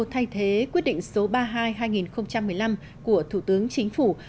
thay thế quyết định số ba mươi hai hai nghìn một mươi năm của thủ tướng chính phủ